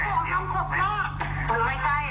เพราะต้องการเซฟต้นทุนให้ลูกค้าด้วย